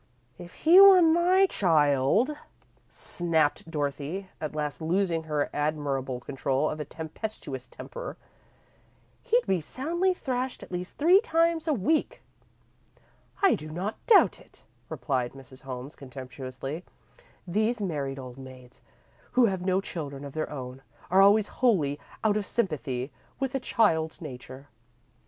"If he were my child," snapped Dorothy, at last losing her admirable control of a tempestuous temper, "he'd be soundly thrashed at least three times a week!" "I do not doubt it," replied Mrs. Holmes, contemptuously. "These married old maids, who have no children of their own, are always wholly out of sympathy with a child's nature."